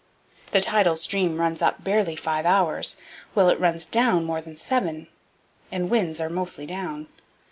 The tidal stream runs up barely five hours, while it runs down more than seven; and winds are mostly down.